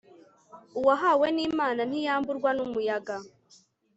uwahawe n'imana ntiyamburwa n'umuyaga